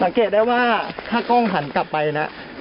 สังเกตได้ว่าถ้ากล้องหันกลับไปนะ